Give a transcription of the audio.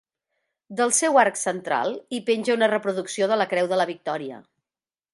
Del seu arc central hi penja una reproducció de la Creu de la Victòria.